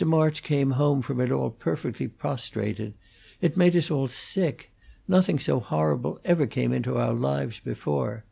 March came home from it all perfectly prostrated; it made us all sick! Nothing so horrible ever came into our lives before.